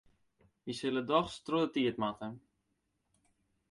Wy sille dochs troch de tiid moatte.